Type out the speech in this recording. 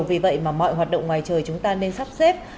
vì vậy mà mọi hoạt động ngoài trời chúng ta nên sắp xếp